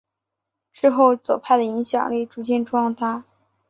之后左派的影响力逐渐壮大。